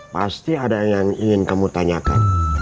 pasti ada yang ingin kamu tanyakan